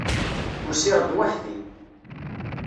Usiɣ-d weḥd-i.